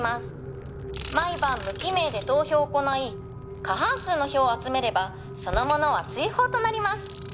「毎晩無記名で投票を行い過半数の票を集めればその者は追放となります」